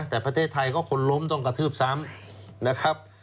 แต่ประเทศไทยก็คนล้มต้องกระทืบซ้ำนะครับ